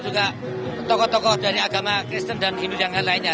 juga tokoh tokoh dari agama kristen dan hindudian lainnya